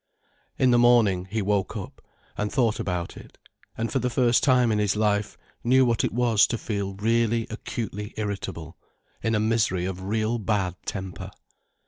In the morning he woke up and thought about it, and for the first time in his life, knew what it was to feel really acutely irritable, in a misery of real bad temper.